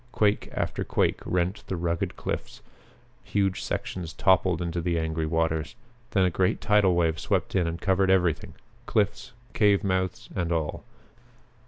Quake after quake rent the rugged cliffs: huge sections toppled into the angry waters. Then a great tidal wave swept in and covered everything, cliffs, cave mouths and all.